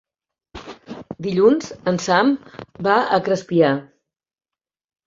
Dilluns en Sam va a Crespià.